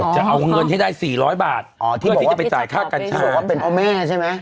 อ๋อจะเอาเงินให้ได้สี่ร้อยบาทอ๋อที่จะไปจ่ายค่ากัญชาที่บอกว่าเป็นเพราะแม่ใช่ไหม